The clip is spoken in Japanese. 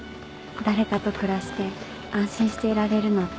誰かと暮らして安心していられるのって。